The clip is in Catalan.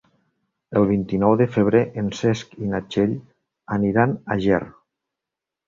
El vint-i-nou de febrer en Cesc i na Txell aniran a Ger.